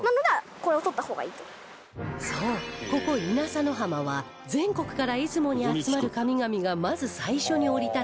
そうここ稲佐の浜は全国から出雲に集まる神々がまず最初に降り立つ